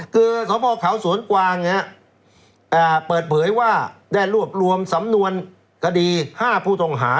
คือสพเขาสวนกวางเปิดเผยว่าได้รวบรวมสำนวนคดี๕ผู้ต้องหา